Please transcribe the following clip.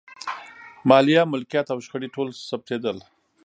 مالیه، ملکیت او شخړې ټول ثبتېدل.